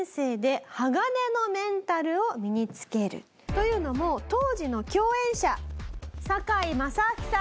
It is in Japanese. というのも当時の共演者堺正章さん。